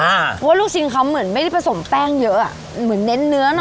เพราะว่าลูกชิ้นเขาเหมือนไม่ได้ผสมแป้งเยอะอ่ะเหมือนเน้นเนื้อเน